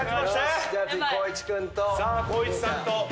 さあ光一さんと。